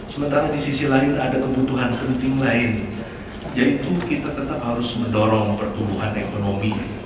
sementara di sisi lain ada kebutuhan penting lain yaitu kita tetap harus mendorong pertumbuhan ekonomi